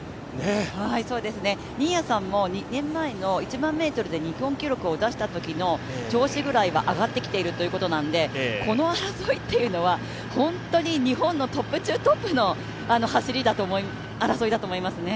新谷さんも２年前の１００００ｍで日本記録を出したときぐらいの調子は上がってきているということなのでこの争いというのは本当に日本のトップ中トップの争いだと思いますね。